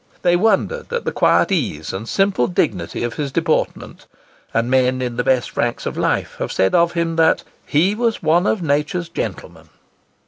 They wondered at the quiet ease and simple dignity of his deportment; and men in the best ranks of life have said of him that "He was one of Nature's gentlemen."